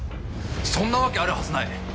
そんなわけあるはずない